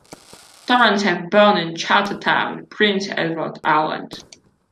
Torrens was born in Charlottetown, Prince Edward Island.